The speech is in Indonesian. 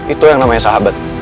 itu yang namanya sahabat